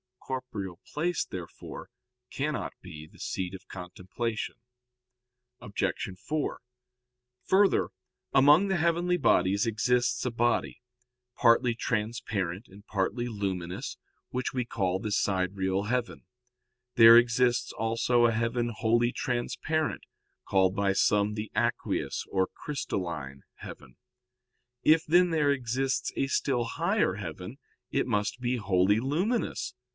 Corporeal place, therefore, cannot be the seat of contemplation. Obj. 4: Further, among the heavenly bodies exists a body, partly transparent and partly luminous, which we call the sidereal heaven. There exists also a heaven wholly transparent, called by some the aqueous or crystalline heaven. If, then, there exists a still higher heaven, it must be wholly luminous.